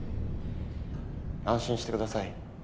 安心して下さい。